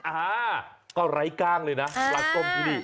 อ่าก็ไร้กล้างเลยนะปลาส้มที่นี่